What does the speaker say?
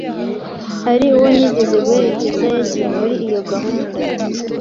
Ari uwo nigeze guherekeza yagiye muri iyo gahunda,